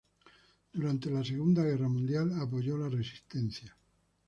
Durante la Segunda Guerra Mundial apoyó la resistencia.